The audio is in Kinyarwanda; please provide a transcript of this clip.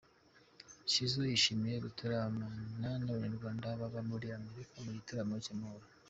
Shizzo yishimiye gutaramana n'abanyarwanda baba muri Amerika mu gitaramo cy'amahoro.